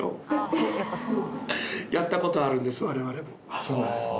あっそうなんですね。